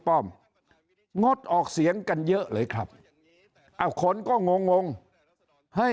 ป้อมงดออกเสียงกันเยอะเลยครับเอาคนก็งงงให้